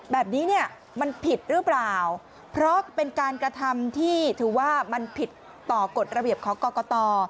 แบบนี้เนี่ยมันผิดหรือเปล่าเพราะเป็นการกระทำที่ถือว่ามันผิดต่อกฎระเบียบของกรกต